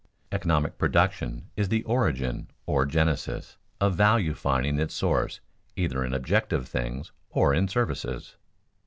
_Economic production is the origin, or genesis, of value finding its source either in objective things or in services.